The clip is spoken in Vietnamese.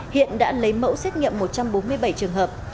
hiện đã lấy mẫu xét nghiệm một trăm bốn mươi bảy trường hợp